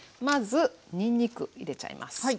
まずにんにく入れちゃいます。